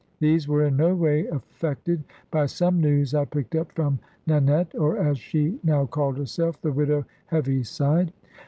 These were in no way affected by some news I picked up from Nanette, or, as she now called herself, "The widow Heaviside."